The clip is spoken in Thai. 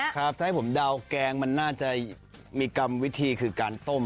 ครับถ้าให้ผมเดาแกงมันน่าจะมีกรรมวิธีคือการต้ม